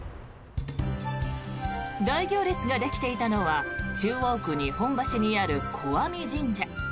大行列ができていたのは中央区日本橋にある小網神社。